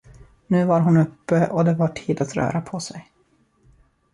Nu var hon uppe och det var tid att röra på sig.